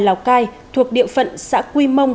lào cai thuộc địa phận xã quy mông